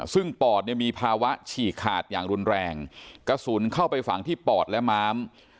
ซึ่งปอดเนี่ยมีภาวะฉีกขาดอย่างรุนแรงกระสุนเข้าไปฝังที่ปอดและม้าม